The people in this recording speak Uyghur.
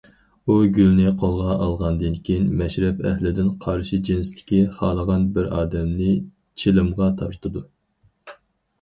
ئۇ گۈلنى قولىغا ئالغاندىن كېيىن مەشرەپ ئەھلىدىن قارشى جىنستىكى خالىغان بىر ئادەمنى چىلىمغا تارتىدۇ.